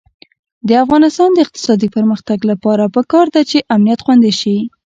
د افغانستان د اقتصادي پرمختګ لپاره پکار ده چې امنیت خوندي شي.